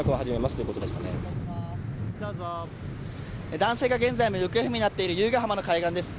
男性が現在も行方不明になっている由比ガ浜の海岸です。